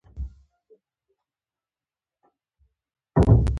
پر خراپه لاره تګ؛ په خلګو کې غول شلومبی کړل.